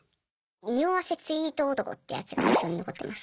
匂わせツイート男ってやつが印象に残ってます。